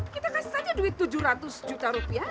kita kasih saja duit tujuh ratus juta rupiah